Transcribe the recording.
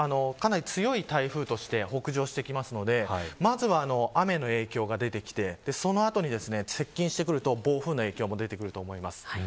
強い台風として北上していきますのでまずは雨の影響が出てきてその後に、接近してくると暴風の影響も出てくると思います。